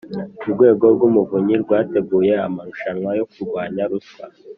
urwego rw’umuvunyi rwateguye amarushanwa yo kurwanya ruswa